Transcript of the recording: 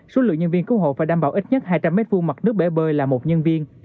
số lượng nhân viên cứu hộ phải đảm bảo ít nhất hai trăm linh m hai mặt nước bể bơi là một nhân viên